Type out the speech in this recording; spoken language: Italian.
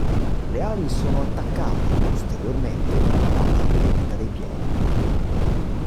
Le ali sono attaccate posteriormente alla base delle dita dei piedi.